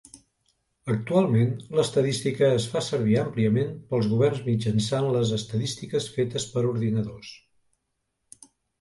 Actualment l'estadística es fa servir àmpliament pels governs mitjançant les estadístiques fetes per ordinadors.